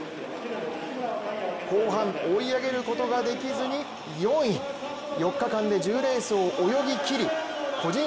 後半追い上げることができずに４位４日間で１０レースを泳ぎ切り個人